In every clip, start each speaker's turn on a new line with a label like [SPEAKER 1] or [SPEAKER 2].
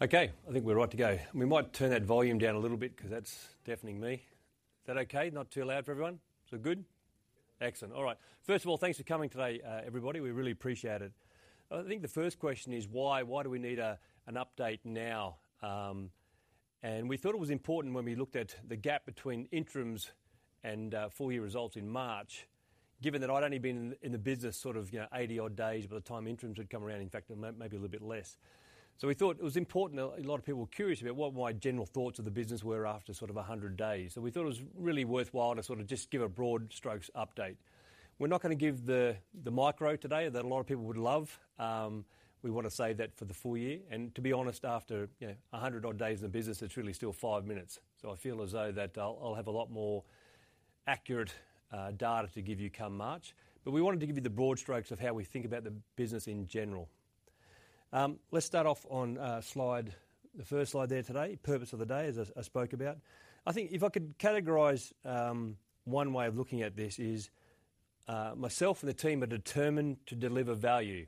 [SPEAKER 1] Okay, I think we're right to go. We might turn that volume down a little bit because that's deafening me. Is that okay? Not too loud for everyone? Is it good? Excellent. All right. First of all, thanks for coming today, everybody, we really appreciate it. I think the first question is why? Why do we need a, an update now? And we thought it was important when we looked at the gap between interims and, full year results in March, given that I'd only been in, in the business sort of, you know, 80-odd days by the time interims had come around, in fact, maybe a little bit less. So we thought it was important. A lot of people were curious about what my general thoughts of the business were after sort of 100 days. So we thought it was really worthwhile to sort of just give a broad strokes update. We're not going to give the micro today that a lot of people would love. We want to save that for the full year, and to be honest, after, you know, 100-odd days in the business, it's really still 5 minutes. So I feel as though that I'll have a lot more accurate data to give you come March, but we wanted to give you the broad strokes of how we think about the business in general. Let's start off on slide. The first slide there today, purpose of the day, as I spoke about. I think if I could categorize one way of looking at this is myself and the team are determined to deliver value,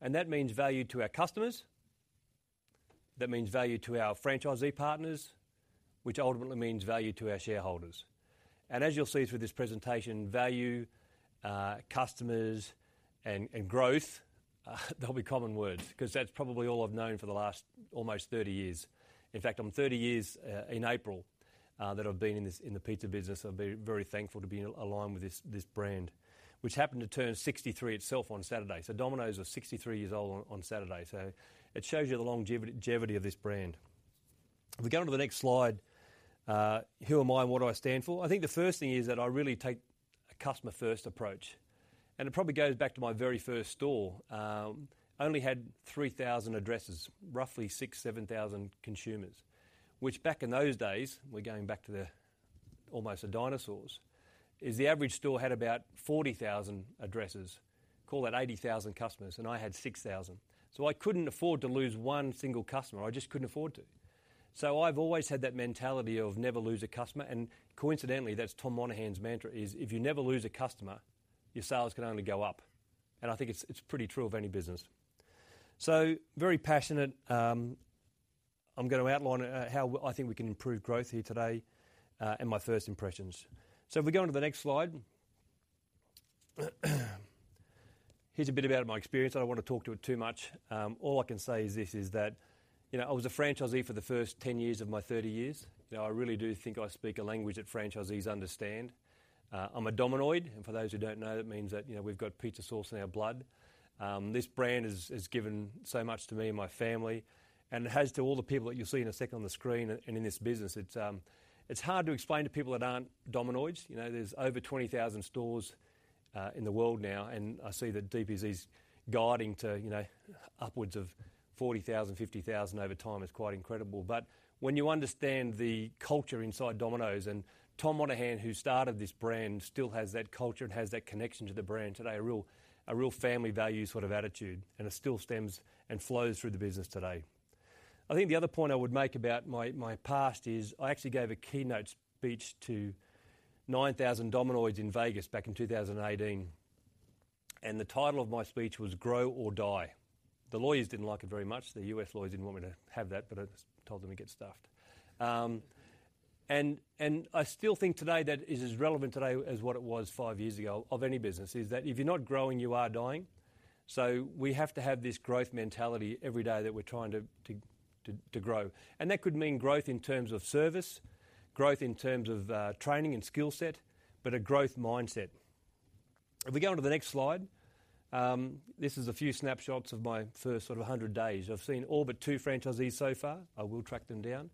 [SPEAKER 1] and that means value to our customers, that means value to our franchisee partners, which ultimately means value to our shareholders. And as you'll see through this presentation, value, customers and growth, they'll be common words because that's probably all I've known for the last almost 30 years. In fact, I'm 30 years in April that I've been in the pizza business. I've been very thankful to be aligned with this brand, which happened to turn 63 itself on Saturday. So Domino's was 63 years old on Saturday. So it shows you the longevity of this brand. If we go on to the next slide, who am I and what do I stand for? I think the first thing is that I really take a customer-first approach, and it probably goes back to my very first store. Only had 3,000 addresses, roughly 6,000-7,000 consumers, which back in those days, we're going back to almost the dinosaurs, the average store had about 40,000 addresses. Call that 80,000 customers, and I had 6,000. So I couldn't afford to lose one single customer. I just couldn't afford to. So I've always had that mentality of never lose a customer, and coincidentally, that's Tom Monaghan's mantra is: If you never lose a customer, your sales can only go up. And I think it's, it's pretty true of any business. So very passionate. I'm going to outline how I think we can improve growth here today, and my first impressions. So if we go on to the next slide. Here's a bit about my experience. I don't want to talk to it too much. All I can say is this, is that, you know, I was a franchisee for the first 10 years of my 30 years. You know, I really do think I speak a language that franchisees understand. I'm a Dominoid, and for those who don't know, that means that, you know, we've got pizza sauce in our blood. This brand has given so much to me and my family, and it has to all the people that you'll see in a second on the screen and in this business. It's, it's hard to explain to people that aren't Dominoids. You know, there's over 20,000 stores in the world now, and I see that DPZ's guiding to, you know, upwards of 40,000-50,000 over time is quite incredible. But when you understand the culture inside Domino's, and Tom Monaghan, who started this brand, still has that culture and has that connection to the brand today, a real, a real family value sort of attitude, and it still stems and flows through the business today. I think the other point I would make about my, my past is I actually gave a keynote speech to 9,000 Dominoids in Vegas back in 2018, and the title of my speech was Grow or Die. The lawyers didn't like it very much. The U.S. lawyers didn't want me to have that, but I told them to get stuffed. And I still think today that is as relevant today as what it was five years ago, of any business, is that if you're not growing, you are dying. So we have to have this growth mentality every day that we're trying to grow. And that could mean growth in terms of service, growth in terms of training and skill set, but a growth mindset. If we go on to the next slide, this is a few snapshots of my first sort of 100 days. I've seen all but two franchisees so far. I will track them down.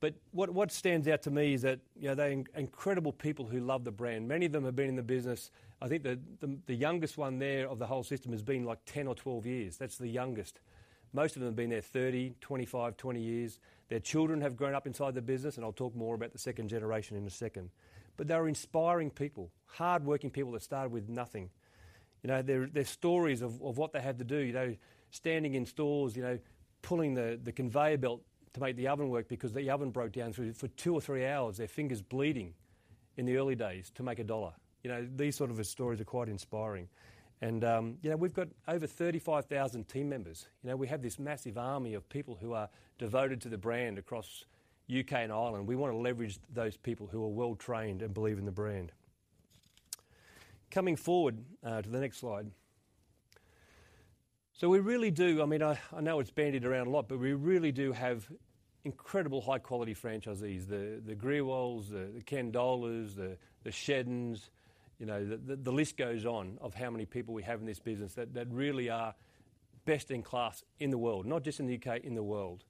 [SPEAKER 1] But what stands out to me is that, you know, they're incredible people who love the brand. Many of them have been in the business. I think the youngest one there of the whole system has been like 10 or 12 years. That's the youngest. Most of them have been there 30, 25, 20 years. Their children have grown up inside the business, and I'll talk more about the second generation in a second. But they're inspiring people, hardworking people that started with nothing. You know, their stories of what they had to do, you know, standing in stores, you know, pulling the conveyor belt to make the oven work because the oven broke down, so for two or three hours, their fingers bleeding in the early days to make a dollar. You know, these sort of stories are quite inspiring. And you know, we've got over 35,000 team members. You know, we have this massive army of people who are devoted to the brand across U.K. and Ireland. We want to leverage those people who are well-trained and believe in the brand. Coming forward to the next slide. So we really do. I mean, I, I know it's bandied around a lot, but we really do have incredible high-quality franchisees. The, the Grewals, the Candolas, the, the Sheddens, you know, the, the list goes on of how many people we have in this business that, that really are best in class in the world, not just in the U.K., in the world.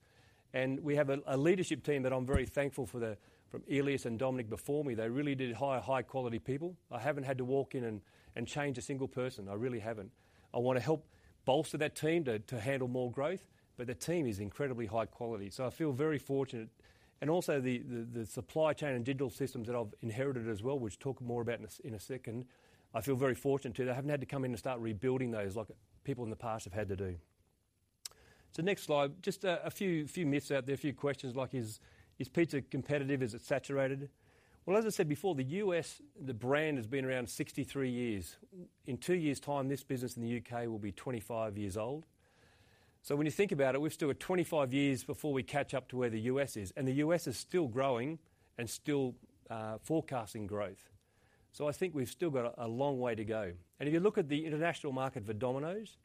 [SPEAKER 1] And we have a, a leadership team that I'm very thankful for the from Elias and Dominic before me. They really did hire high-quality people. I haven't had to walk in and, and change a single person. I really haven't. I want to help bolster that team to, to handle more growth, but the team is incredibly high quality, so I feel very fortunate. Also the supply chain and digital systems that I've inherited as well, which talk more about in a second, I feel very fortunate too. I haven't had to come in and start rebuilding those like people in the past have had to do. Next slide, just a few myths out there, a few questions like: Is pizza competitive? Is it saturated? Well, as I said before, the U.S., the brand has been around 63 years. In two years' time, this business in the U.K. will be 25 years old... So when you think about it, we've still got 25 years before we catch up to where the U.S. is, and the U.S. is still growing and still forecasting growth. So I think we've still got a long way to go. And if you look at the international market for Domino's,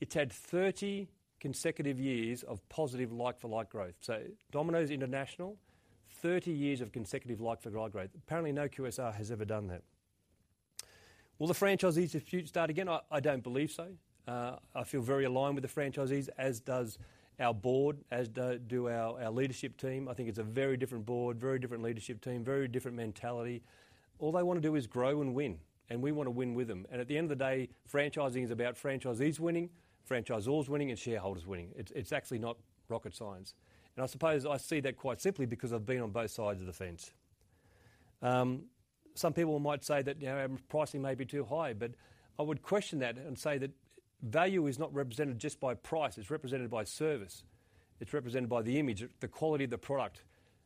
[SPEAKER 1] it's had 30 consecutive years of positive like-for-like growth. So Domino's International, 30 years of consecutive like-for-like growth. Apparently, no QSR has ever done that. Will the franchisees start again? I, I don't believe so. I feel very aligned with the franchisees, as does our board, as do our leadership team. I think it's a very different board, very different leadership team, very different mentality. All they wanna do is grow and win, and we want to win with them. And at the end of the day, franchising is about franchisees winning, franchisors winning, and shareholders winning. It's, it's actually not rocket science. And I suppose I see that quite simply because I've been on both sides of the fence. Some people might say that, you know, our pricing may be too high, but I would question that and say that value is not represented just by price, it's represented by service. It's represented by the image, the quality of the product.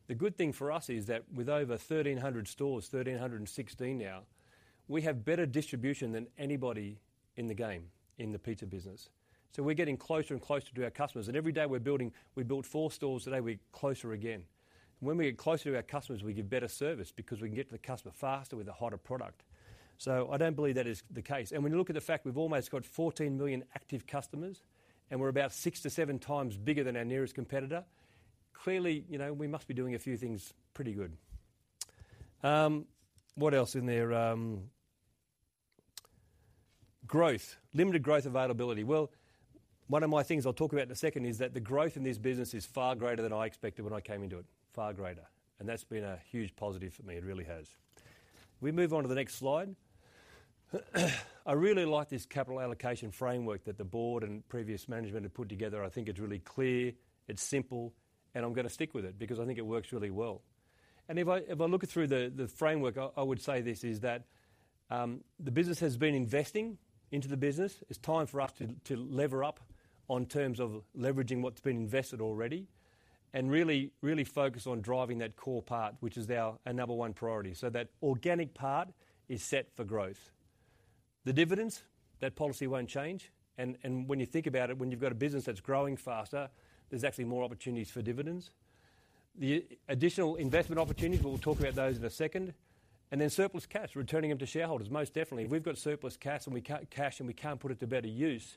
[SPEAKER 1] The good thing for us is that with over 1,300 stores, 1,316 now, we have better distribution than anybody in the game, in the pizza business. So we're getting closer and closer to our customers, and every day, we're building. We build four stores a day, we're closer again. When we get closer to our customers, we give better service because we can get to the customer faster with a hotter product. So I don't believe that is the case. When you look at the fact we've almost got 14 million active customers, and we're about six to seven times bigger than our nearest competitor, clearly, you know, we must be doing a few things pretty good. What else in there? Growth. Limited growth availability. Well, one of my things I'll talk about in a second is that the growth in this business is far greater than I expected when I came into it. Far greater, and that's been a huge positive for me, it really has. We move on to the next slide. I really like this capital allocation framework that the board and previous management have put together. I think it's really clear, it's simple, and I'm gonna stick with it because I think it works really well. If I look through the framework, I would say this is that the business has been investing into the business. It's time for us to lever up on terms of leveraging what's been invested already and really focus on driving that core part, which is our number one priority. So that organic part is set for growth. The dividends, that policy won't change, and when you think about it, when you've got a business that's growing faster, there's actually more opportunities for dividends. The additional investment opportunities, we'll talk about those in a second. And then surplus cash, returning them to shareholders, most definitely. If we've got surplus cash and we can't put it to better use,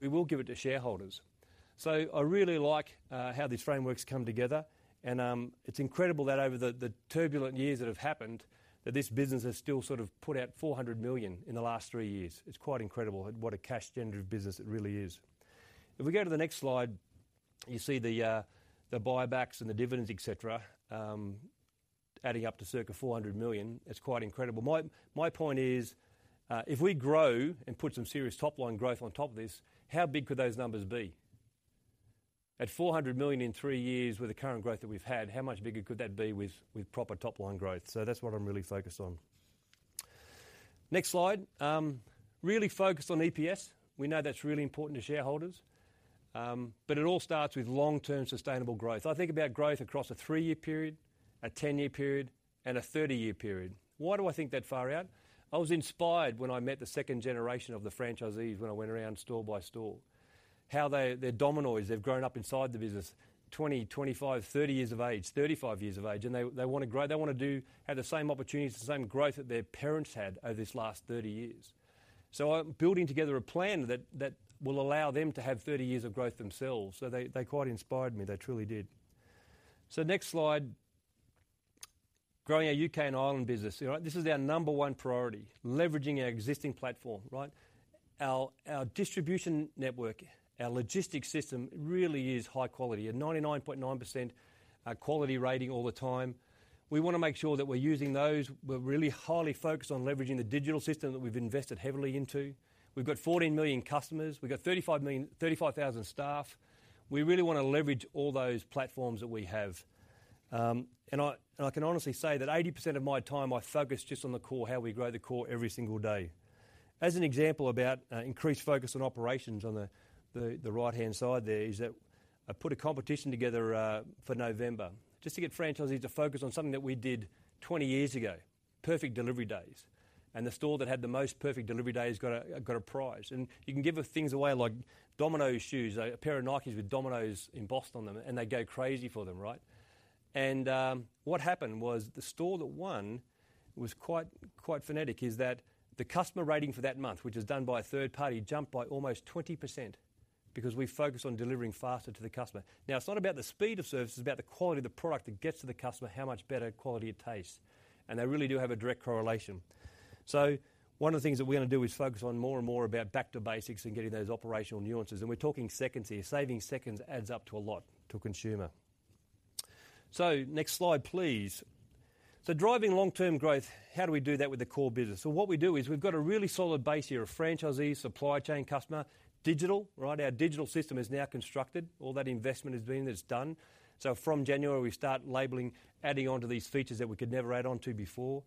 [SPEAKER 1] we will give it to shareholders. So I really like how these frameworks come together, and it's incredible that over the turbulent years that have happened, that this business has still sort of put out 400 million in the last three years. It's quite incredible what a cash generative business it really is. If we go to the next slide, you see the buybacks and the dividends, et cetera, adding up to circa 400 million. It's quite incredible. My point is, if we grow and put some serious top-line growth on top of this, how big could those numbers be? At 400 million in three years with the current growth that we've had, how much bigger could that be with proper top-line growth? So that's what I'm really focused on. Next slide. Really focused on EPS. We know that's really important to shareholders. But it all starts with long-term sustainable growth. I think about growth across a three-year period, a 10-year period, and a 30-year period. Why do I think that far out? I was inspired when I met the second generation of the franchisees when I went around store by store. How they. They're Domino's. They've grown up inside the business, 20, 25, 30 years of age, 35 years of age, and they, they wanna grow. They wanna do, have the same opportunities, the same growth that their parents had over this last 30 years. So I'm building together a plan that, that will allow them to have 30 years of growth themselves. So they, they quite inspired me. They truly did. So next slide, growing our U.K. and Ireland business. All right? This is our number one priority, leveraging our existing platform, right? Our distribution network, our logistics system really is high quality. A 99.9% quality rating all the time. We wanna make sure that we're using those. We're really highly focused on leveraging the digital system that we've invested heavily into. We've got 14 million customers. We've got 35,000 staff. We really wanna leverage all those platforms that we have. And I can honestly say that 80% of my time, I focus just on the core, how we grow the core every single day. As an example about increased focus on operations on the right-hand side there, is that I put a competition together for November, just to get franchisees to focus on something that we did 20 years ago, Perfect Delivery days. And the store that had the most Perfect Delivery days got a prize. And you can give the things away like Domino's shoes, a pair of Nikes with Domino's embossed on them, and they go crazy for them, right? And what happened was, the store that won was quite fanatic, and that the customer rating for that month, which is done by a third party, jumped by almost 20% because we focused on delivering faster to the customer. Now, it's not about the speed of service, it's about the quality of the product that gets to the customer, how much better quality it tastes, and they really do have a direct correlation. So one of the things that we're gonna do is focus on more and more about back to basics and getting those operational nuances, and we're talking seconds here. Saving seconds adds up to a lot to a consumer. So next slide, please. So driving long-term growth, how do we do that with the core business? So what we do is we've got a really solid base here of franchisees, supply chain, customer, digital, right? Our digital system is now constructed. All that investment has been, it's done. So from January, we start labeling, adding on to these features that we could never add on to before.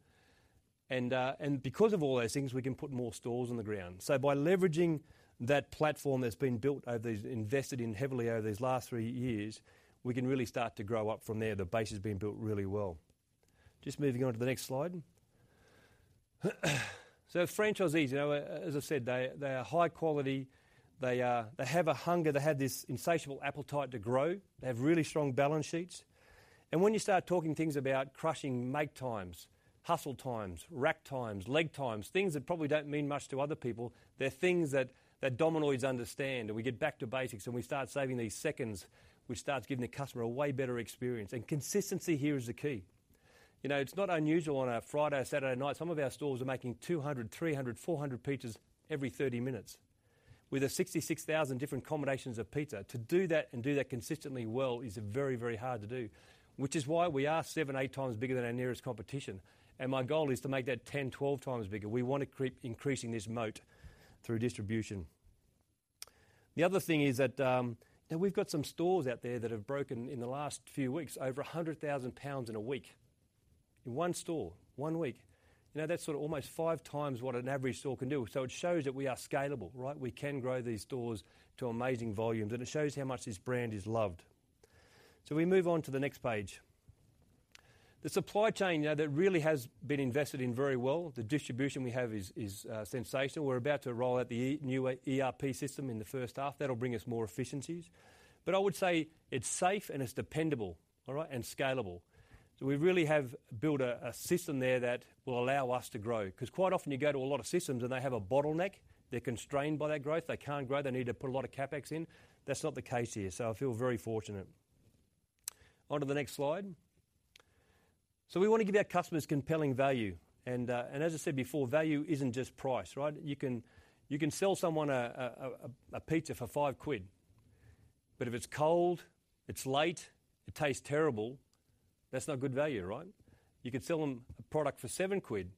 [SPEAKER 1] And, and because of all those things, we can put more stores on the ground. So by leveraging that platform that's been built over these... invested in heavily over these last three years, we can really start to grow up from there. The base has been built really well. Just moving on to the next slide. So franchisees, you know, as I said, they are, they are high quality. They have a hunger, they have this insatiable appetite to grow. They have really strong balance sheets. And when you start talking things about crushing make times, hustle times, rack times, leg times, things that probably don't mean much to other people, they're things that, that Domino's understand, and we get back to basics, and we start saving these seconds, which starts giving the customer a way better experience. And consistency here is the key. You know, it's not unusual on a Friday or Saturday night, some of our stores are making 200, 300, 400 pizzas every 30 minutes. With a 66,000 different combinations of pizza, to do that and do that consistently well is very, very hard to do, which is why we are seven to eight times bigger than our nearest competition, and my goal is to make that 10-12 times bigger. We want to keep increasing this moat through distribution. The other thing is that, you know, we've got some stores out there that have broken, in the last few weeks, over 100,000 pounds in a week. In one store, one week. You know, that's sort of almost five times what an average store can do. So it shows that we are scalable, right? We can grow these stores to amazing volumes, and it shows how much this brand is loved. So we move on to the next page. The supply chain now, that really has been invested in very well. The distribution we have is, is, sensational. We're about to roll out the new ERP system in the first half. That'll bring us more efficiencies. But I would say it's safe and it's dependable, all right, and scalable. So we really have built a system there that will allow us to grow, 'cause quite often you go to a lot of systems, and they have a bottleneck, they're constrained by that growth, they can't grow, they need to put a lot of CapEx in. That's not the case here, so I feel very fortunate. Onto the next slide. So we want to give our customers compelling value, and, and as I said before, value isn't just price, right? You can sell someone a pizza for 5 quid, but if it's cold, it's late, it tastes terrible, that's not good value, right? You can sell them a product for 7 quid.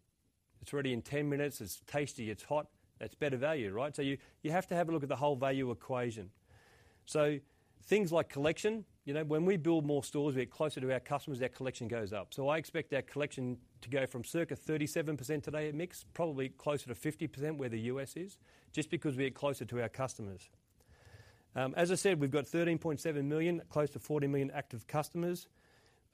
[SPEAKER 1] It's ready in 10 minutes, it's tasty, it's hot, that's better value, right? So you have to have a look at the whole value equation. So things like collection, you know, when we build more stores, we get closer to our customers, our collection goes up. So I expect our collection to go from circa 37% today at mix, probably closer to 50% where the U.S. is, just because we are closer to our customers. As I said, we've got 13.7 million, close to 40 million active customers.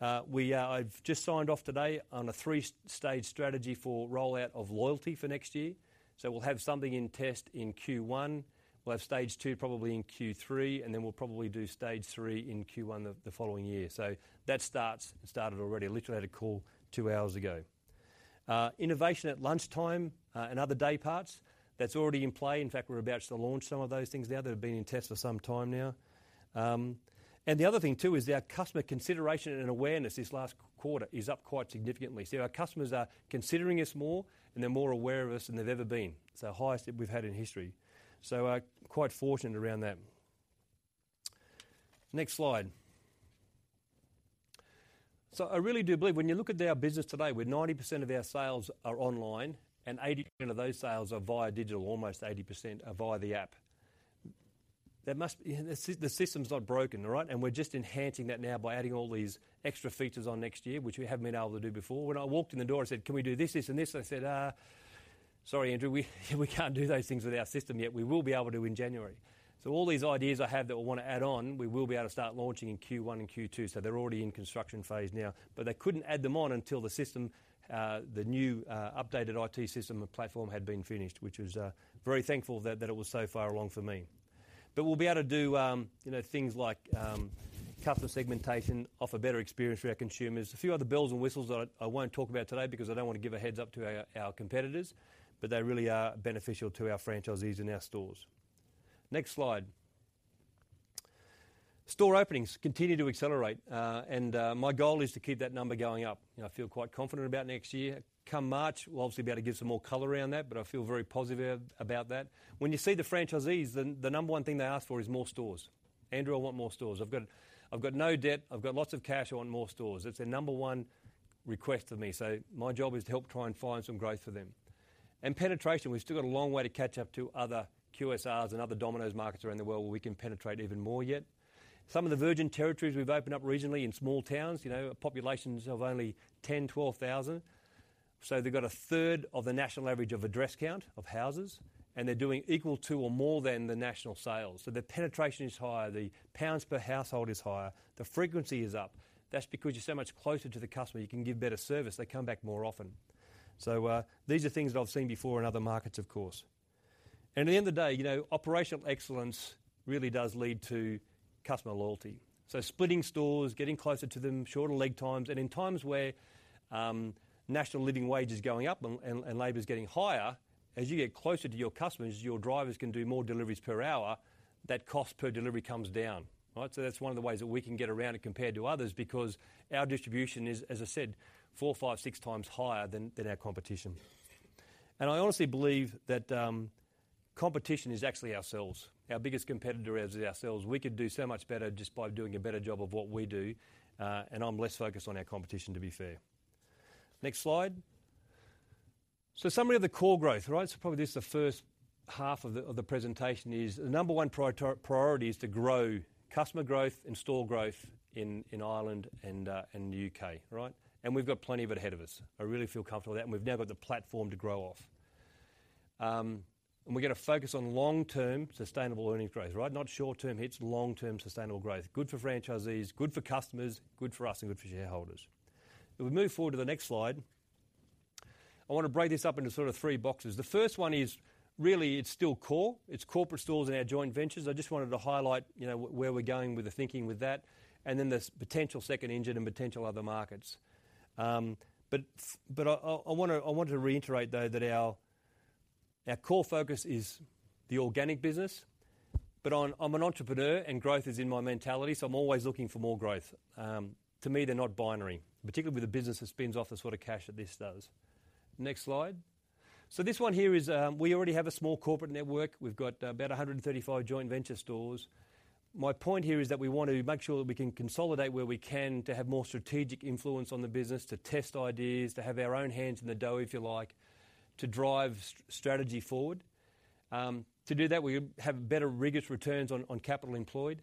[SPEAKER 1] I've just signed off today on a three-stage strategy for rollout of loyalty for next year, so we'll have something in test in Q1. We'll have stage two probably in Q3, and then we'll probably do stage 3 in Q1 the following year. So that starts, it started already. Literally had a call 2 hours ago. Innovation at lunchtime and other day parts, that's already in play. In fact, we're about to launch some of those things now that have been in test for some time now. And the other thing, too, is our customer consideration and awareness this last quarter is up quite significantly. So our customers are considering us more, and they're more aware of us than they've ever been. It's the highest that we've had in history. So, quite fortunate around that. Next slide. So I really do believe when you look at our business today, with 90% of our sales are online and 80% of those sales are via digital, almost 80% are via the app, there must. The system's not broken, all right? And we're just enhancing that now by adding all these extra features on next year, which we haven't been able to do before. When I walked in the door and said, "Can we do this, this, and this?" They said, "Sorry, Andrew, we can't do those things with our system yet. We will be able to in January." So all these ideas I have that I want to add on, we will be able to start launching in Q1 and Q2, so they're already in construction phase now. But they couldn't add them on until the system, the new, updated IT system and platform had been finished, which was very thankful that it was so far along for me. But we'll be able to do, you know, things like, customer segmentation, offer better experience for our consumers. A few other bells and whistles that I won't talk about today because I don't want to give a heads up to our competitors, but they really are beneficial to our franchisees and our stores. Next slide. Store openings continue to accelerate, and my goal is to keep that number going up. I feel quite confident about next year. Come March, we'll obviously be able to give some more color around that, but I feel very positive about that. When you see the franchisees, the number one thing they ask for is more stores. "Andrew, I want more stores. I've got no debt, I've got lots of cash, I want more stores." It's their number one request of me, so my job is to help try and find some growth for them. And penetration, we've still got a long way to catch up to other QSRs and other Domino's markets around the world where we can penetrate even more yet. Some of the virgin territories we've opened up recently in small towns, you know, populations of only 10,000-12,000. So they've got a third of the national average of address count, of houses, and they're doing equal to or more than the national sales. So the penetration is higher, the pounds per household is higher, the frequency is up. That's because you're so much closer to the customer. You can give better service. They come back more often. So, these are things that I've seen before in other markets, of course. And at the end of the day, you know, operational excellence really does lead to customer loyalty. So splitting stores, getting closer to them, shorter lead times, and in times where national living wage is going up and labor is getting higher, as you get closer to your customers, your drivers can do more deliveries per hour, that cost per delivery comes down, right? So that's one of the ways that we can get around it compared to others, because our distribution is, as I said, four, five, six times higher than our competition. And I honestly believe that competition is actually ourselves. Our biggest competitor is ourselves. We could do so much better just by doing a better job of what we do, and I'm less focused on our competition, to be fair. Next slide. So summary of the core growth, right? So probably this is the first half of the, of the presentation is the number one priority is to grow customer growth and store growth in, in Ireland and, and the U.K., right? And we've got plenty of it ahead of us. I really feel comfortable with that, and we've now got the platform to grow off... and we're gonna focus on long-term sustainable earnings growth, right? Not short-term hits, long-term sustainable growth. Good for franchisees, good for customers, good for us, and good for shareholders. If we move forward to the next slide, I want to break this up into sort of three boxes. The first one is really, it's still core. It's corporate stores and our joint ventures. I just wanted to highlight, you know, where we're going with the thinking with that, and then there's potential second engine and potential other markets. But I want to reiterate, though, that our core focus is the organic business, but I'm an entrepreneur and growth is in my mentality, so I'm always looking for more growth. To me, they're not binary, particularly the business that spins off the sort of cash that this does. Next slide. So this one here is, we already have a small corporate network. We've got about 135 joint venture stores. My point here is that we want to make sure that we can consolidate where we can to have more strategic influence on the business, to test ideas, to have our own hands in the dough, if you like, to drive strategy forward. To do that, we have better rigorous returns on capital employed.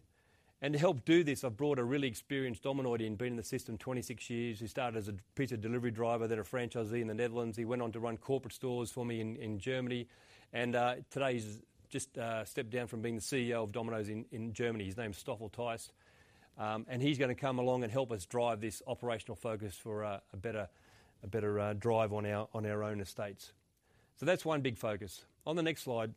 [SPEAKER 1] To help do this, I've brought a really experienced Dominoid in, been in the system 26 years. He started as a pizza delivery driver, then a franchisee in the Netherlands. He went on to run corporate stores for me in Germany, and today he's just stepped down from being the CEO of Domino's in Germany. His name is Stoffel Thijs. And he's gonna come along and help us drive this operational focus for a better drive on our own estates. So that's one big focus. On the next slide.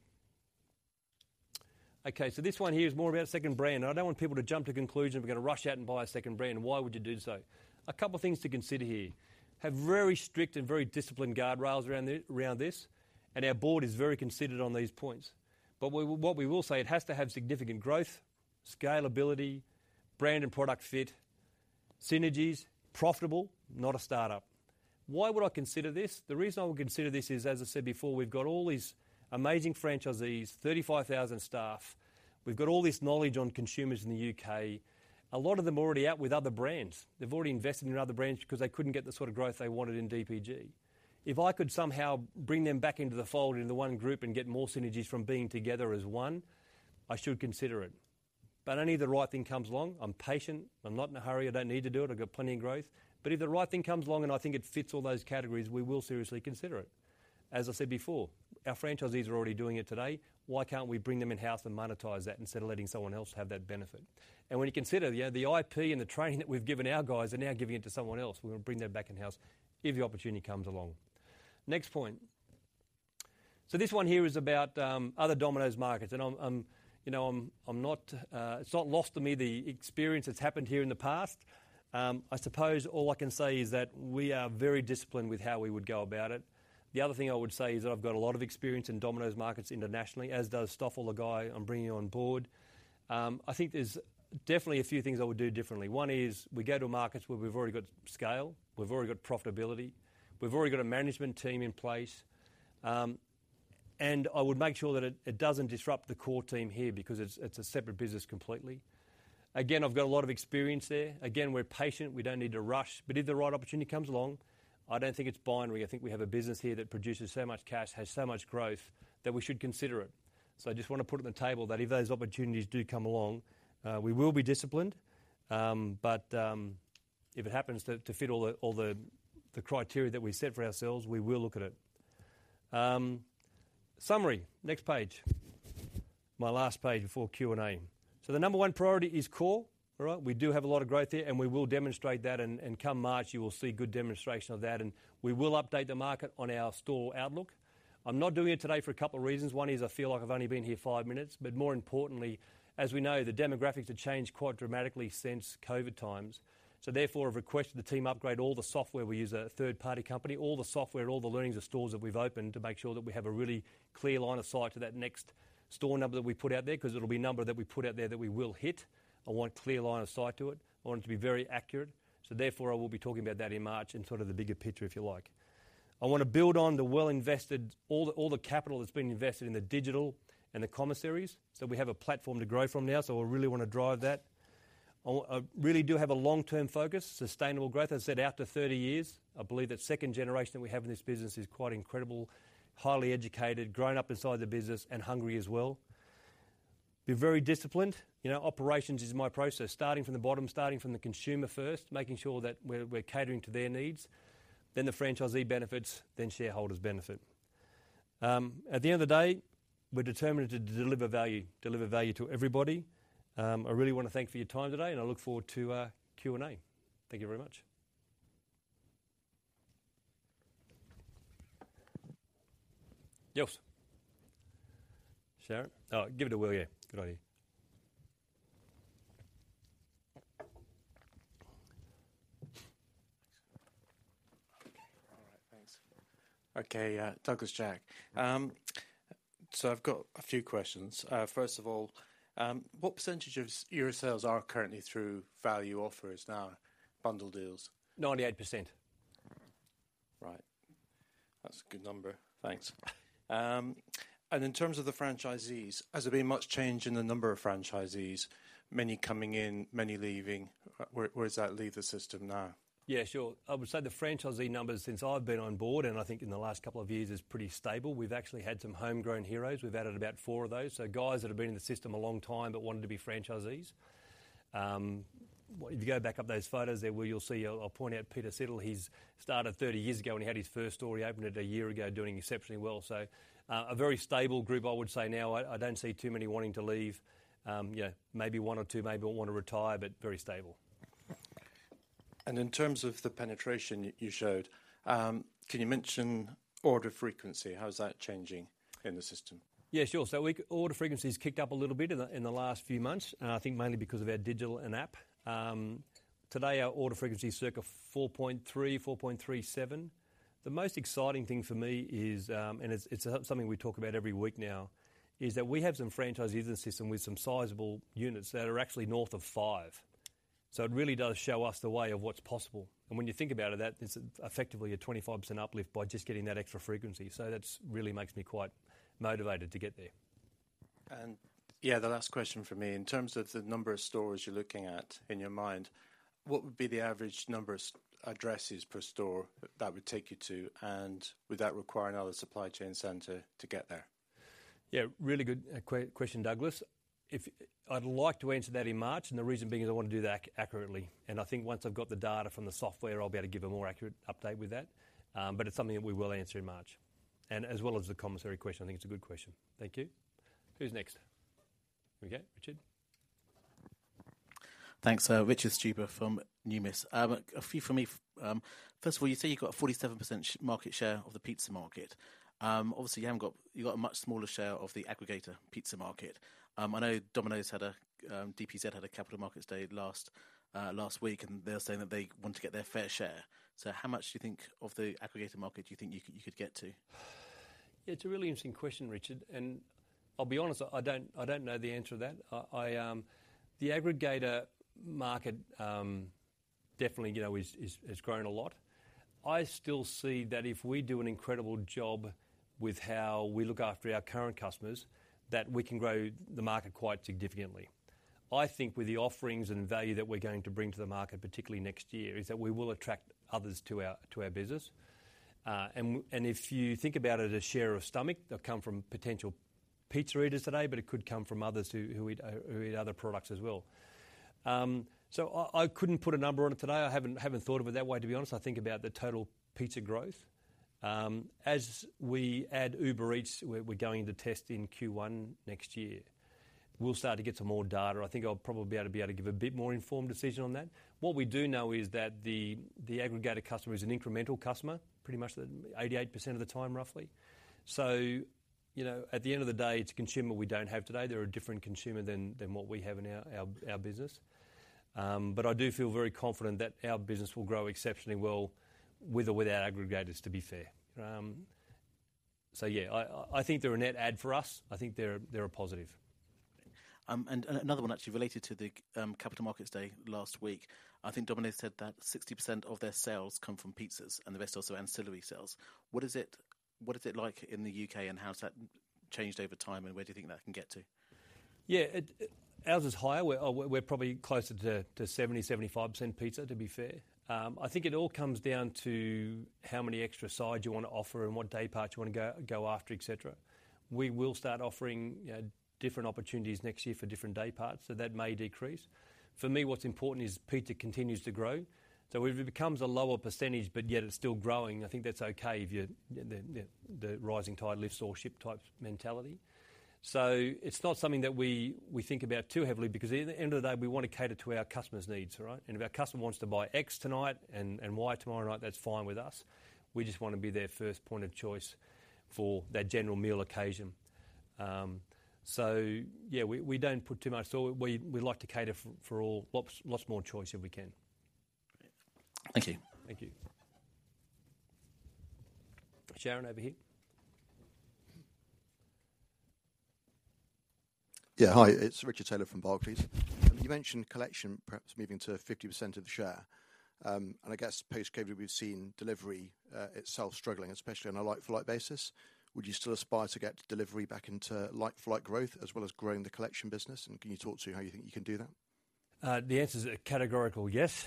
[SPEAKER 1] Okay, so this one here is more about second brand, and I don't want people to jump to conclusion, we're gonna rush out and buy a second brand. Why would you do so? A couple of things to consider here. Have very strict and very disciplined guardrails around this, and our board is very considered on these points. But what we, what we will say, it has to have significant growth, scalability, brand and product fit, synergies, profitable, not a startup. Why would I consider this? The reason I would consider this is, as I said before, we've got all these amazing franchisees, 35,000 staff. We've got all this knowledge on consumers in the U.K., a lot of them already out with other brands. They've already invested in other brands because they couldn't get the sort of growth they wanted in DPG. If I could somehow bring them back into the fold, into the one group, and get more synergies from being together as one, I should consider it. But only if the right thing comes along. I'm patient. I'm not in a hurry. I don't need to do it. I've got plenty of growth. But if the right thing comes along and I think it fits all those categories, we will seriously consider it. As I said before, our franchisees are already doing it today. Why can't we bring them in-house and monetize that instead of letting someone else have that benefit? And when you consider, yeah, the IP and the training that we've given our guys are now giving it to someone else, we want to bring that back in-house if the opportunity comes along. Next point. So this one here is about other Domino's markets, and I'm, you know, I'm not. It's not lost to me the experience that's happened here in the past. I suppose all I can say is that we are very disciplined with how we would go about it. The other thing I would say is that I've got a lot of experience in Domino's markets internationally, as does Stoffel, the guy I'm bringing on board. I think there's definitely a few things I would do differently. One is, we go to markets where we've already got scale, we've already got profitability, we've already got a management team in place. And I would make sure that it, it doesn't disrupt the core team here because it's, it's a separate business completely. Again, I've got a lot of experience there. Again, we're patient, we don't need to rush, but if the right opportunity comes along, I don't think it's binary. I think we have a business here that produces so much cash, has so much growth, that we should consider it. So I just want to put it on the table that if those opportunities do come along, we will be disciplined, but if it happens to fit all the criteria that we set for ourselves, we will look at it. Summary, next page. My last page before Q&A. So the number one priority is core. All right? We do have a lot of growth there, and we will demonstrate that, and come March, you will see good demonstration of that, and we will update the market on our store outlook. I'm not doing it today for a couple of reasons. One is, I feel like I've only been here five minutes, but more importantly, as we know, the demographics have changed quite dramatically since COVID times. So therefore, I've requested the team upgrade all the software we use, a third-party company, all the software, all the learnings of stores that we've opened to make sure that we have a really clear line of sight to that next store number that we put out there, 'cause it'll be a number that we put out there that we will hit. I want clear line of sight to it. I want it to be very accurate. So therefore, I will be talking about that in March in sort of the bigger picture, if you like. I want to build on the well-invested. All the, all the capital that's been invested in the digital and the commissaries, so we have a platform to grow from now, so I really want to drive that. I really do have a long-term focus, sustainable growth. I said after 30 years, I believe that second generation that we have in this business is quite incredible, highly educated, grown up inside the business, and hungry as well. Be very disciplined. You know, operations is my process, starting from the bottom, starting from the consumer first, making sure that we're catering to their needs, then the franchisee benefits, then shareholders benefit. At the end of the day, we're determined to deliver value, deliver value to everybody. I really want to thank you for your time today, and I look forward to Q&A. Thank you very much. Yes. Sharon? Oh, give it to Will here. Good idea.
[SPEAKER 2] Okay. All right, thanks. Okay, Douglas Jack. So I've got a few questions. First of all, what percentage of your sales are currently through value offers now, bundle deals?
[SPEAKER 1] 98%.
[SPEAKER 2] Right. That's a good number. Thanks. And in terms of the franchisees, has there been much change in the number of franchisees? Many coming in, many leaving. Where does that leave the system now?
[SPEAKER 1] Yeah, sure. I would say the franchisee numbers since I've been on board, and I think in the last couple of years, is pretty stable. We've actually had some homegrown heroes. We've added about four of those. So guys that have been in the system a long time but wanted to be franchisees. Well, if you go back up those photos there where you'll see, I'll point out Peter Siddall. He's started 30 years ago, when he had his first store. He opened it a year ago, doing exceptionally well. So, a very stable group, I would say now. I, I don't see too many wanting to leave. Yeah, maybe one or two maybe will want to retire, but very stable.
[SPEAKER 2] In terms of the penetration you showed, can you mention order frequency? How is that changing in the system?
[SPEAKER 1] Yeah, sure. Order frequency has kicked up a little bit in the last few months, and I think mainly because of our digital and app. Today, our order frequency is circa 4.3%, 4.37%. The most exciting thing for me is, and it's something we talk about every week now, is that we have some franchisees in the system with some sizable units that are actually north of five. So it really does show us the way of what's possible. And when you think about it, that is effectively a 25% uplift by just getting that extra frequency. So that's really makes me quite motivated to get there.
[SPEAKER 2] And, yeah, the last question from me. In terms of the number of stores you're looking at in your mind, what would be the average number of addresses per store that would take you to, and would that require another supply chain center to get there?
[SPEAKER 1] Yeah, really good question, Douglas. I'd like to answer that in March, and the reason being is I want to do that accurately, and I think once I've got the data from the software, I'll be able to give a more accurate update with that. But it's something that we will answer in March, and as well as the commissary question. I think it's a good question. Thank you. Who's next? Okay, Richard.
[SPEAKER 3] Thanks. Richard Stuber from Numis. A few from me. First of all, you say you've got a 47% market share of the pizza market. Obviously, you haven't got. You've got a much smaller share of the aggregator pizza market. I know Domino's had a, DPZ had a Capital Markets Day last week, and they're saying that they want to get their fair share. So how much do you think, of the aggregator market, do you think you could get to?
[SPEAKER 1] It's a really interesting question, Richard, and I'll be honest, I don't know the answer to that. The aggregator market definitely, you know, has grown a lot. I still see that if we do an incredible job with how we look after our current customers, that we can grow the market quite significantly. I think with the offerings and value that we're going to bring to the market, particularly next year, is that we will attract others to our business. And if you think about it as share of stomach, they'll come from potential pizza eaters today, but it could come from others who eat other products as well. So I couldn't put a number on it today. I haven't thought of it that way, to be honest. I think about the total pizza growth. As we add Uber Eats, we're going to test in Q1 next year, we'll start to get some more data. I think I'll probably be able to give a bit more informed decision on that. What we do know is that the aggregator customer is an incremental customer, pretty much 88% of the time, roughly. So, you know, at the end of the day, it's a consumer we don't have today. They're a different consumer than what we have in our business. But I do feel very confident that our business will grow exceptionally well with or without aggregators, to be fair. So yeah, I think they're a net add for us. I think they're a positive.
[SPEAKER 3] And another one actually related to the capital markets day last week. I think Domino's said that 60% of their sales come from pizzas and the rest also ancillary sales. What is it... What is it like in the U.K., and how's that changed over time, and where do you think that can get to?
[SPEAKER 1] Yeah, ours is higher. We're probably closer to 70%-75% pizza, to be fair. I think it all comes down to how many extra sides you want to offer and what day parts you want to go after, et cetera. We will start offering different opportunities next year for different day parts, so that may decrease. For me, what's important is pizza continues to grow, so if it becomes a lower percentage, but yet it's still growing, I think that's okay if you. The rising tide lifts all ships type mentality. So it's not something that we think about too heavily because at the end of the day, we want to cater to our customers' needs, right? And if our customer wants to buy X tonight and Y tomorrow night, that's fine with us. We just want to be their first point of choice for that general meal occasion. So yeah, we don't put too much thought. We like to cater for all. Lots more choice if we can.
[SPEAKER 3] Thank you.
[SPEAKER 1] Thank you. Sharon, over here.
[SPEAKER 4] Yeah. Hi, it's Richard Taylor from Barclays. You mentioned collection perhaps moving to 50% of the share. And I guess post-COVID, we've seen delivery itself struggling, especially on a like-for-like basis. Would you still aspire to get delivery back into like-for-like growth as well as growing the collection business? And can you talk to how you think you can do that?
[SPEAKER 1] The answer is a categorical yes.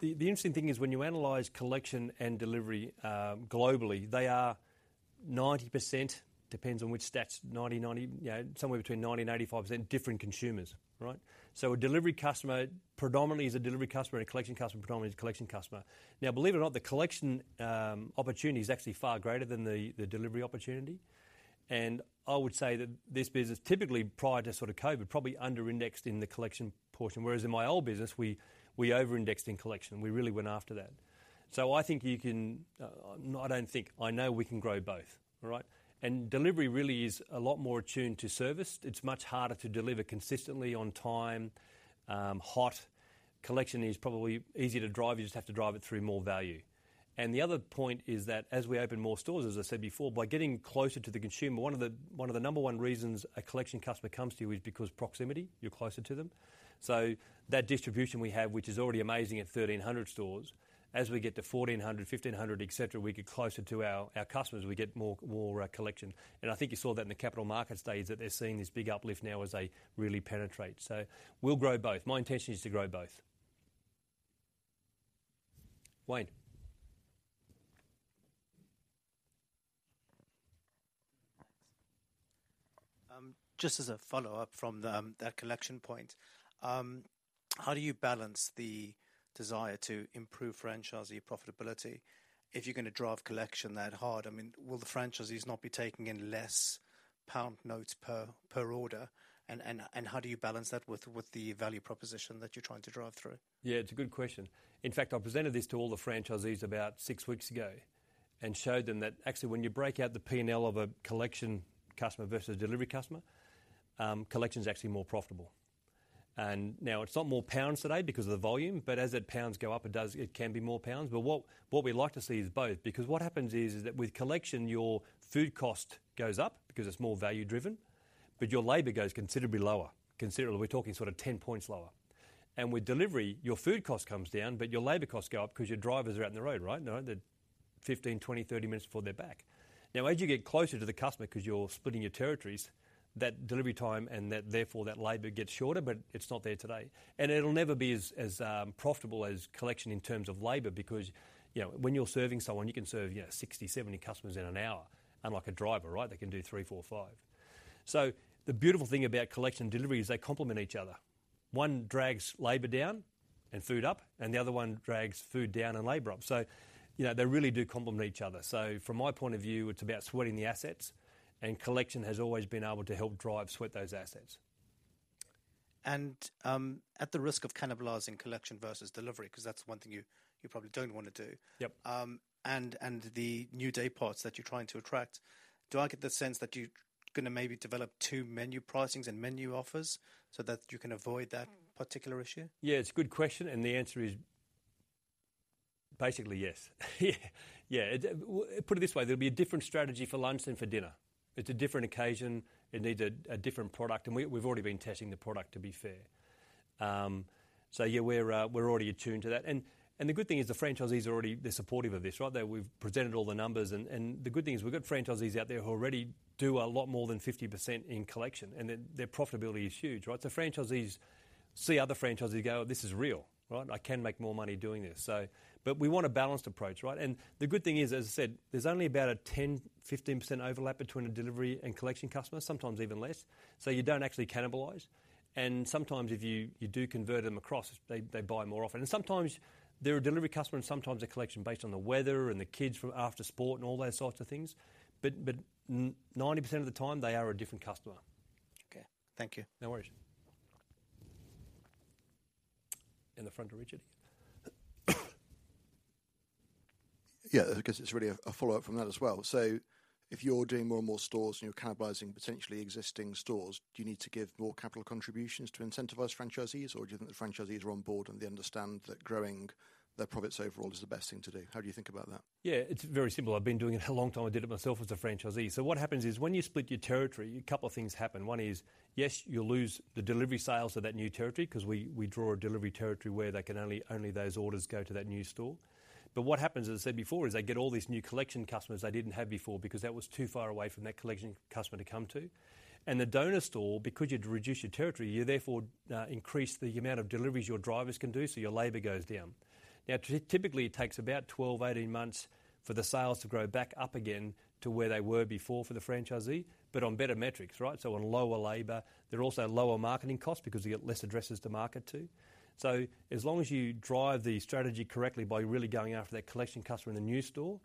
[SPEAKER 1] The interesting thing is when you analyze collection and delivery, globally, they are 90%, depending on which stats, somewhere between 90% and 85% different consumers, right? So a delivery customer predominantly is a delivery customer, and a collection customer predominantly is a collection customer. Now, believe it or not, the collection opportunity is actually far greater than the delivery opportunity. And I would say that this business, typically prior to sort of COVID, probably under-indexed in the collection portion, whereas in my old business, we over-indexed in collection. We really went after that. So I think you can. I don't think, I know we can grow both, all right? And delivery really is a lot more attuned to service. It's much harder to deliver consistently on time, hot. Collection is probably easier to drive. You just have to drive it through more value. And the other point is that as we open more stores, as I said before, by getting closer to the consumer, one of the, one of the number one reasons a collection customer comes to you is because proximity, you're closer to them. So that distribution we have, which is already amazing at 1,300 stores, as we get to 1,400-1,500, et cetera, we get closer to our, our customers, we get more, more, collection. And I think you saw that in the capital markets stage, that they're seeing this big uplift now as they really penetrate. So we'll grow both. My intention is to grow both. Wayne?
[SPEAKER 5] Just as a follow-up from that collection point, how do you balance the desire to improve franchisee profitability if you're going to drive collection that hard? I mean, will the franchisees not be taking in less pound notes per order? And how do you balance that with the value proposition that you're trying to drive through?
[SPEAKER 1] Yeah, it's a good question. In fact, I presented this to all the franchisees about six weeks ago and showed them that actually, when you break out the P&L of a collection customer versus a delivery customer, collection's actually more profitable. And now it's not more GBP today because of the volume, but as the GBP go up, it does, it can be more GBP. But what, what we'd like to see is both, because what happens is, is that with collection, your food cost goes up because it's more value driven, but your labor goes considerably lower. Considerably, we're talking sort of 10 points lower. And with delivery, your food cost comes down, but your labor costs go up 'cause your drivers are out on the road, right? Now they're 15, 20, 30 minutes before they're back. Now, as you get closer to the customer, 'cause you're splitting your territories, that delivery time and that therefore, that labor gets shorter, but it's not there today. And it'll never be as, as, profitable as collection in terms of labor, because, you know, when you're serving someone, you can serve, you know, 60, 70 customers in an hour, unlike a driver, right, they can do three, four, or five. So the beautiful thing about collection and delivery is they complement each other. One drags labor down and food up, and the other one drags food down and labor up. So, you know, they really do complement each other. So from my point of view, it's about sweating the assets, and collection has always been able to help drive sweat those assets.
[SPEAKER 5] At the risk of cannibalizing collection versus delivery, 'cause that's one thing you probably don't want to do-
[SPEAKER 1] Yep.
[SPEAKER 5] And the new day parts that you're trying to attract, do I get the sense that you're gonna maybe develop two menu pricings and menu offers so that you can avoid that particular issue?
[SPEAKER 1] Yeah, it's a good question, and the answer is basically yes. Yeah. Put it this way, there'll be a different strategy for lunch than for dinner. It's a different occasion, it needs a different product, and we've already been testing the product, to be fair. So yeah, we're already attuned to that. And the good thing is the franchisees are already, they're supportive of this, right? They've presented all the numbers, and the good thing is we've got franchisees out there who already do a lot more than 50% in collection, and their profitability is huge, right? So franchisees see other franchisees go, "This is real," right? "I can make more money doing this." So but we want a balanced approach, right? The good thing is, as I said, there's only about a 10%-15% overlap between a delivery and collection customer, sometimes even less, so you don't actually cannibalize. Sometimes if you do convert them across, they buy more often. And sometimes they're a delivery customer, and sometimes they're collection based on the weather and the kids from after sport and all those sorts of things, but 90% of the time they are a different customer.
[SPEAKER 5] Okay. Thank you.
[SPEAKER 1] No worries. In the front, Richard.
[SPEAKER 4] Yeah, I guess it's really a follow-up from that as well. So if you're doing more and more stores and you're cannibalizing potentially existing stores, do you need to give more capital contributions to incentivize franchisees, or do you think the franchisees are on board and they understand that growing their profits overall is the best thing to do? How do you think about that?
[SPEAKER 1] Yeah, it's very simple. I've been doing it a long time. I did it myself as a franchisee. So what happens is, when you split your territory, a couple of things happen. One is, yes, you'll lose the delivery sales to that new territory 'cause we, we draw a delivery territory where they can only, only those orders go to that new store. But what happens, as I said before, is they get all these new collection customers they didn't have before because that was too far away from that collection customer to come to. And the donor store, because you'd reduce your territory, you therefore, increase the amount of deliveries your drivers can do, so your labor goes down. Now, typically, it takes about 12-18 months for the sales to grow back up again to where they were before for the franchisee, but on better metrics, right? So on lower labor. There are also lower marketing costs because you get less addresses to market to. So as long as you drive the strategy correctly by really going after that collection customer in the new store,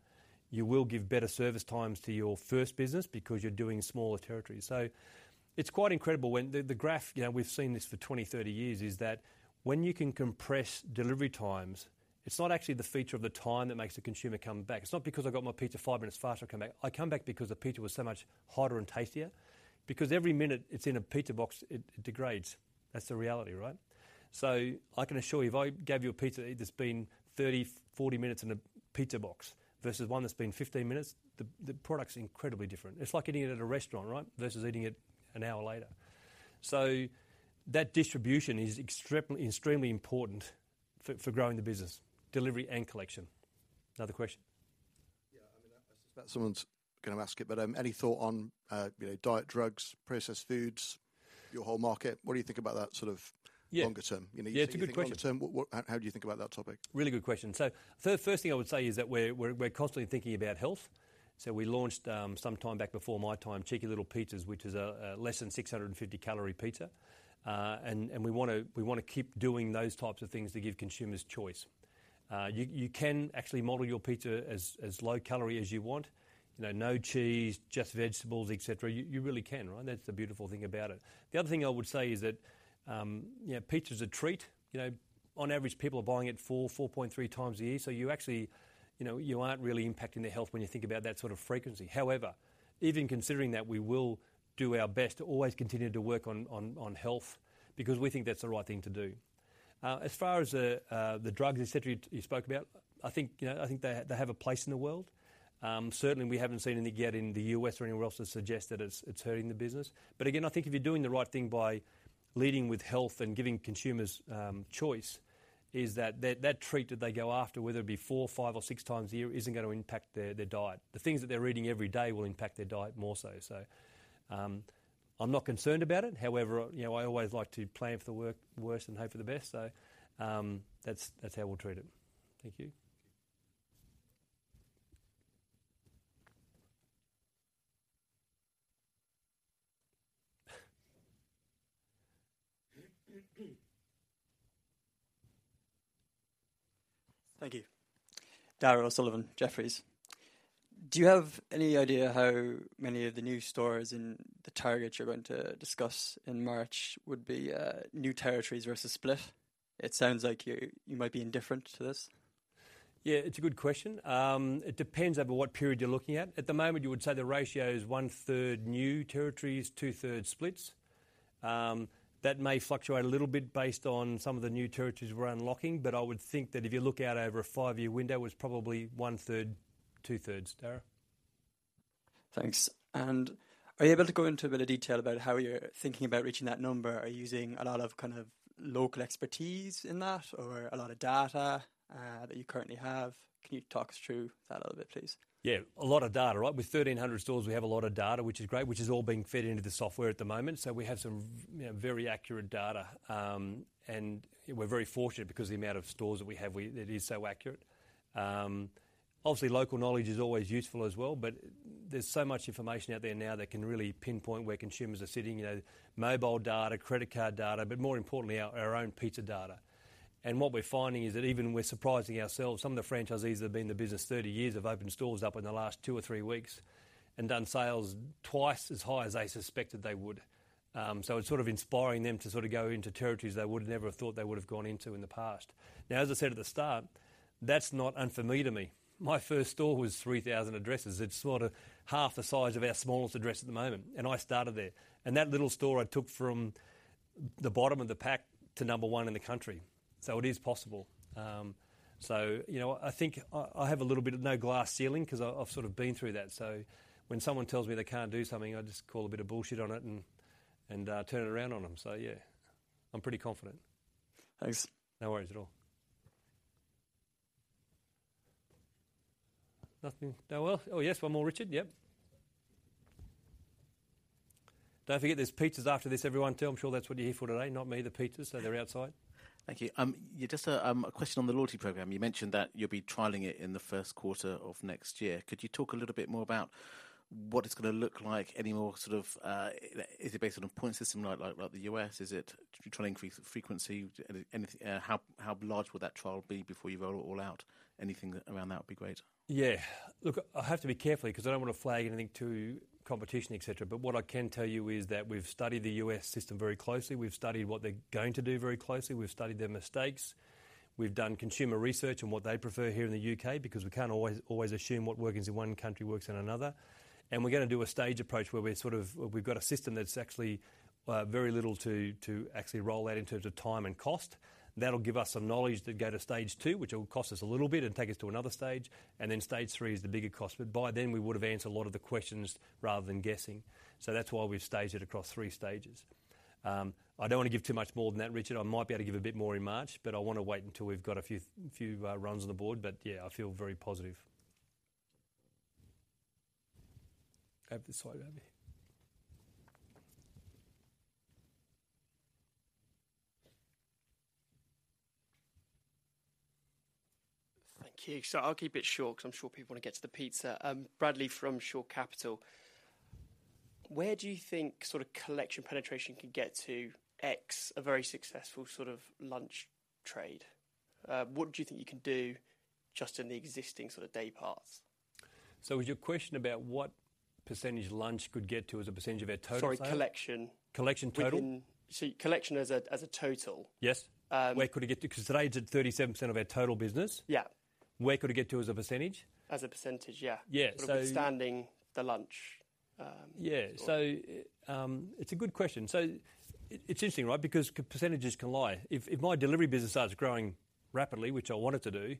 [SPEAKER 1] you will give better service times to your first business because you're doing smaller territories. So it's quite incredible when the graph, you know, we've seen this for 20-30 years, is that when you can compress delivery times, it's not actually the feature of the time that makes the consumer come back. It's not because I got my pizza five minutes faster, I come back. I come back because the pizza was so much hotter and tastier, because every minute it's in a pizza box, it degrades. That's the reality, right? So I can assure you, if I gave you a pizza that's been 30, 40 minutes in a pizza box versus one that's been 15 minutes, the product's incredibly different. It's like eating it at a restaurant, right? Versus eating it an hour later. So that distribution is extremely important for growing the business, delivery and collection. Another question?
[SPEAKER 4] Yeah, I mean, I thought someone's gonna ask it, but, any thought on, you know, diet drugs, processed foods, your whole market? What do you think about that sort of-
[SPEAKER 1] Yeah...
[SPEAKER 4] longer term?
[SPEAKER 1] Yeah, it's a good question.
[SPEAKER 4] You know, longer term, what, how do you think about that topic?
[SPEAKER 1] Really good question. So first thing I would say is that we're constantly thinking about health. So we launched sometime back before my time, Cheeky Little Pizzas, which is a less than 650-calorie pizza. And we want to keep doing those types of things to give consumers choice. You can actually model your pizza as low calorie as you want, you know, no cheese, just vegetables, et cetera. You really can, right? That's the beautiful thing about it. The other thing I would say is that, you know, pizza is a treat. You know, on average, people are buying it 4.3 times a year. So you actually, you know, you aren't really impacting their health when you think about that sort of frequency. However, even considering that, we will do our best to always continue to work on health, because we think that's the right thing to do. As far as the drugs, et cetera, you spoke about, I think, you know, I think they have a place in the world. Certainly, we haven't seen any yet in the U.S. or anywhere else to suggest that it's hurting the business. But again, I think if you're doing the right thing by leading with health and giving consumers choice is that treat that they go after, whether it be four, five, or six times a year, isn't going to impact their diet. The things that they're eating every day will impact their diet more so. So, I'm not concerned about it. However, you know, I always like to plan for the worse and hope for the best. So, that's how we'll treat it. Thank you.
[SPEAKER 6] Thank you. Darragh O'Sullivan, Jefferies. Do you have any idea how many of the new stores and the targets you're going to discuss in March would be, new territories versus split? It sounds like you, you might be indifferent to this.
[SPEAKER 1] Yeah, it's a good question. It depends over what period you're looking at. At the moment, you would say the ratio is 1/3 new territories, 2/3 splits. That may fluctuate a little bit based on some of the new territories we're unlocking, but I would think that if you look out over a five-year window, it's probably 1/3, 2/3, Darragh.
[SPEAKER 6] Thanks. And are you able to go into a bit of detail about how you're thinking about reaching that number? Are you using a lot of kind of local expertise in that, or a lot of data, that you currently have? Can you talk us through that a little bit, please?
[SPEAKER 1] Yeah, a lot of data, right? With 1,300 stores, we have a lot of data, which is great, which is all being fed into the software at the moment. So we have some, you know, very accurate data. And we're very fortunate because the amount of stores that we have, it is so accurate. Obviously, local knowledge is always useful as well, but there's so much information out there now that can really pinpoint where consumers are sitting, you know, mobile data, credit card data, but more importantly, our, our own pizza data. And what we're finding is that even we're surprising ourselves. Some of the franchisees that have been in the business 30 years have opened stores up in the last two or three weeks and done sales twice as high as they suspected they would. So it's sort of inspiring them to sort of go into territories they would have never thought they would have gone into in the past. Now, as I said at the start, that's not unfamiliar to me. My first store was 3,000 addresses. It's sort of half the size of our smallest address at the moment, and I started there. And that little store I took from the bottom of the pack to number one in the country, so it is possible. So you know what? I think I, I have a little bit of no glass ceiling 'cause I, I've sort of been through that. So when someone tells me they can't do something, I just call a bit of bullshit on it and, and, turn it around on them. So yeah, I'm pretty confident.
[SPEAKER 6] Thanks.
[SPEAKER 1] No worries at all. Oh, yes, one more, Richard. Yep. Don't forget there's pizzas after this, everyone. So I'm sure that's what you're here for today, not me, the pizzas. So they're outside.
[SPEAKER 3] Thank you. Yeah, just a question on the loyalty program. You mentioned that you'll be trialing it in the first quarter of next year. Could you talk a little bit more about what it's gonna look like? Any more sort of... Is it based on a point system like, like, like the U.S.? Is it to try and increase the frequency? Any, anything... How large will that trial be before you roll it all out? Anything around that would be great.
[SPEAKER 1] Yeah. Look, I have to be careful 'cause I don't want to flag anything to competition, et cetera. But what I can tell you is that we've studied the U.S. system very closely. We've studied what they're going to do very closely. We've studied their mistakes. We've done consumer research and what they prefer here in the U.K., because we can't always, always assume what works in one country works in another. And we're gonna do a stage approach where we're sort of. We've got a system that's actually very little to actually roll out in terms of time and cost. That'll give us some knowledge to go to stage two, which will cost us a little bit and take us to another stage, and then stage three is the bigger cost. But by then, we would have answered a lot of the questions rather than guessing. So that's why we've staged it across three stages. I don't want to give too much more than that, Richard. I might be able to give a bit more in March, but I wanna wait until we've got a few, few, runs on the board. But yeah, I feel very positive. Over this side over here.
[SPEAKER 7] Thank you. So I'll keep it short 'cause I'm sure people want to get to the pizza. Bradley from Shore Capital. Where do you think sort of collection penetration could get to X, a very successful sort of lunch trade? What do you think you can do just in the existing sort of day parts?
[SPEAKER 1] Is your question about what percentage lunch could get to as a percentage of our total sale?
[SPEAKER 7] Sorry, collection.
[SPEAKER 1] Collection total?
[SPEAKER 7] So, collection as a total.
[SPEAKER 1] Yes.
[SPEAKER 7] Um-
[SPEAKER 1] Where could it get to? 'Cause today it's at 37% of our total business.
[SPEAKER 7] Yeah.
[SPEAKER 1] Where could it get to as a percentage?
[SPEAKER 7] As a percentage, yeah.
[SPEAKER 1] Yeah, so-
[SPEAKER 7] Sort of standing the lunch.
[SPEAKER 1] Yeah. So, it's a good question. So it, it's interesting, right? Because percentages can lie. If my delivery business starts growing rapidly, which I want it to do,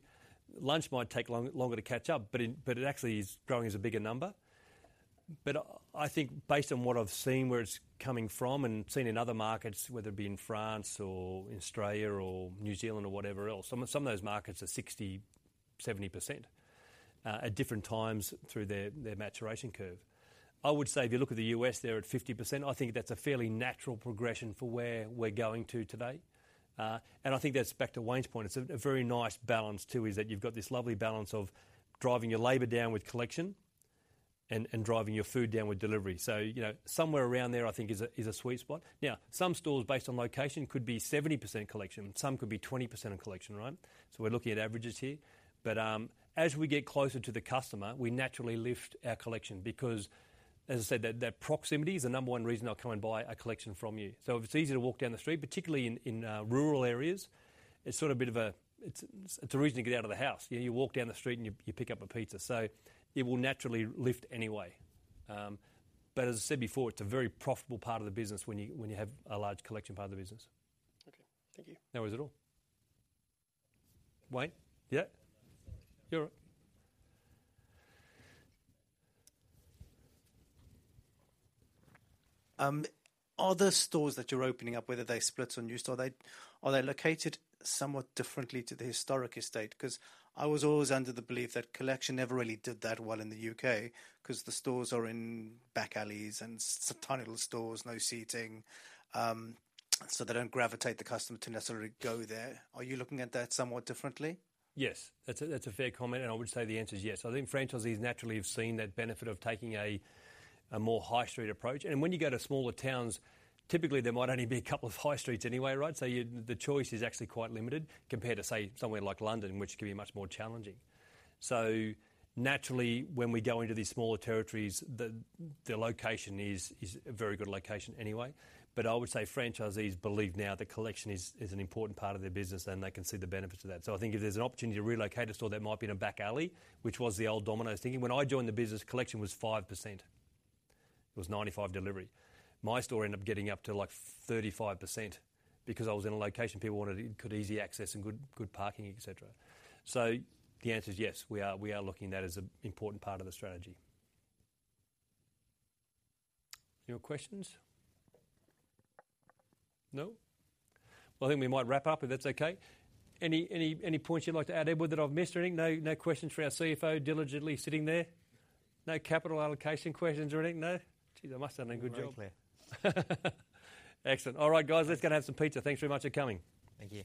[SPEAKER 1] lunch might take longer to catch up, but it actually is growing as a bigger number. But I think based on what I've seen, where it's coming from, and seen in other markets, whether it be in France or Australia or New Zealand or whatever else, some of those markets are 60%, 70% at different times through their maturation curve. I would say if you look at the U.S., they're at 50%. I think that's a fairly natural progression for where we're going to today. And I think that's back to Wayne's point. It's a very nice balance, too, is that you've got this lovely balance of driving your labor down with collection and driving your food down with delivery. So you know, somewhere around there, I think is a sweet spot. Now, some stores, based on location, could be 70% collection, some could be 20% in collection, right? So we're looking at averages here. But as we get closer to the customer, we naturally lift our collection because, as I said, that proximity is the number one reason I'll come and buy a collection from you. So if it's easier to walk down the street, particularly in rural areas, it's sort of a bit of a. It's a reason to get out of the house. You walk down the street, and you pick up a pizza, so it will naturally lift anyway. But as I said before, it's a very profitable part of the business when you have a large collection part of the business.
[SPEAKER 7] Okay. Thank you.
[SPEAKER 1] No worries at all. Wayne? Yeah. You're up.
[SPEAKER 5] Are the stores that you're opening up, whether they're splits or new store, are they, are they located somewhat differently to the historic estate? 'Cause I was always under the belief that collection never really did that well in the U.K., 'cause the stores are in back alleys and tiny little stores, no seating, so they don't gravitate the customer to necessarily go there. Are you looking at that somewhat differently?
[SPEAKER 1] Yes, that's a fair comment, and I would say the answer is yes. I think franchisees naturally have seen that benefit of taking a more high street approach. And when you go to smaller towns, typically there might only be a couple of high streets anyway, right? The choice is actually quite limited compared to, say, somewhere like London, which can be much more challenging. So naturally, when we go into these smaller territories, the location is a very good location anyway. But I would say franchisees believe now that collection is an important part of their business, and they can see the benefits of that. So I think if there's an opportunity to relocate a store that might be in a back alley, which was the old Domino's thinking. When I joined the business, collection was 5%, it was 95% delivery. My store ended up getting up to, like, 35% because I was in a location people wanted good, easy access and good, good parking, et cetera. So the answer is yes, we are, we are looking at that as an important part of the strategy. Any more questions? No? Well, I think we might wrap up, if that's okay. Any, any, any points you'd like to add, Edward, that I've missed or anything? No, no questions for our CFO diligently sitting there? No capital allocation questions or anything, no? Geez, I must have done a good job. Excellent. All right, guys, let's go and have some pizza. Thanks very much for coming.
[SPEAKER 3] Thank you.